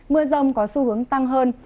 mưa rông có xu hướng tăng hơn